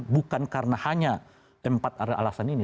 bukan karena hanya empat ada alasan ini